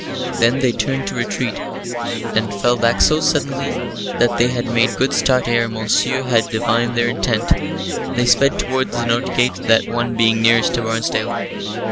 Then they turned to retreat, and fell back so suddenly that they had made good start ere Monceux had divined their intent. They sped towards the north gate, that one being nearest to Barnesdale.